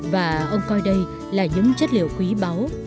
và ông coi đây là những chất liệu quý báu